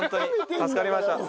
助かりました。